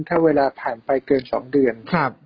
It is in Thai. ถ้าเวลาผ่านไปเกิน๒เดือน